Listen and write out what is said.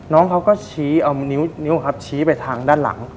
น้องเขาก็ชี้เอานิ้วครับชี้ไปทางด้านหลัง